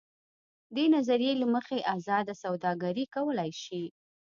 دې نظریې له مخې ازاده سوداګري کولای شي.